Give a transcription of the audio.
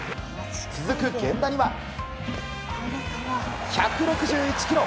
続く源田には、１６１キロ。